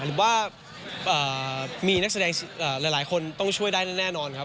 หรือว่ามีนักแสดงหลายคนต้องช่วยได้แน่นอนครับ